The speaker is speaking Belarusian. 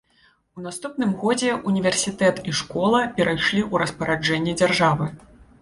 У наступным годзе ўніверсітэт і школа перайшлі ў распараджэнне дзяржавы.